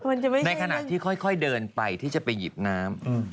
มันจะไม่ใช่อย่างนี้ในขณะที่ค่อยเดินไปที่จะไปหยิบน้ำ